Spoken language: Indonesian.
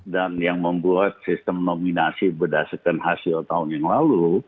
dan yang membuat sistem nominasi berdasarkan hasil tahun yang lalu